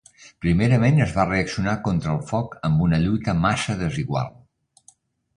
Primerament es va reaccionar contra el foc amb una lluita massa desigual.